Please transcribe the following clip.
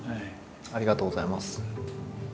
ありがとうございます。